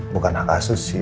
bukan akasus sih